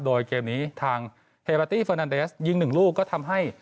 โดยเกมนี้ทางเฮปาตี้เฟอร์นันเดสยิงหนึ่งลูกก็ทำให้